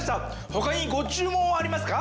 ほかにご注文ありますか？